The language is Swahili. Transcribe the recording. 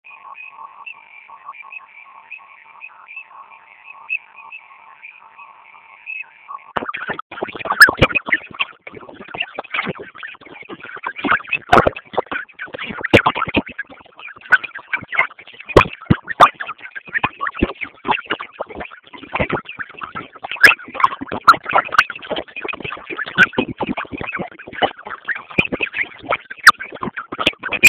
Dirisha limevunjwa